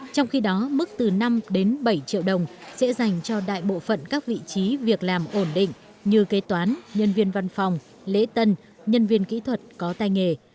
trong khi đó mức từ năm đến bảy triệu đồng sẽ dành cho đại bộ phận các vị trí việc làm ổn định như kế toán nhân viên văn phòng lễ tân nhân viên kỹ thuật có tay nghề